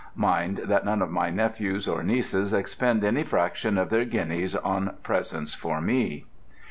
Mind that none of my nephews or nieces expend any fraction of their guineas on presents for me.